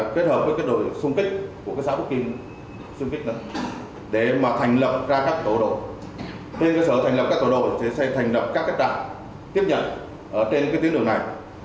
phước kỳ xây thành lập các kết đảm tiếp nhận trên tuyến lượng này